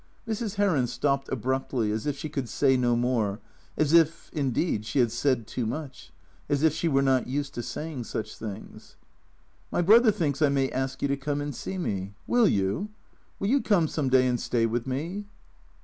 Mrs. Heron stopped abruptly, as if she could say no more, as if, indeed, she had said too much, as if she were not used to saying such things. " My brother thinks I may ask you to come and see me. Will you ? Will you come some day and stay with me